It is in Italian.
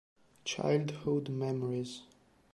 Childhood Memories